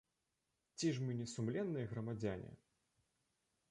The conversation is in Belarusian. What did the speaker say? Ці ж мы не сумленныя грамадзяне?